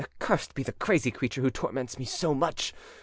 Cursed be the crazy creature who torments me so much!